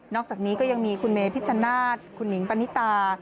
อกจากนี้ก็ยังมีคุณเมพิชชนาธิ์คุณหนิงปณิตา